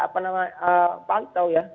apa namanya pantau ya